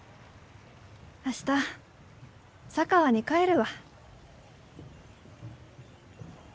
明日佐川に帰るわ。